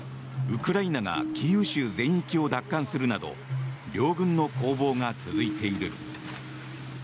ウクライナがキーウ州全域を奪還するなど両軍の攻防が続いている。